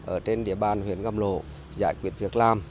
ở trên địa bàn huyện cam lộ giải quyết việc làm